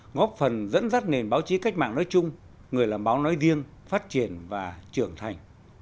góp phần dẫn dắt nền báo chí cách mạng nói chung người làm báo nói riêng phát triển và trưởng thành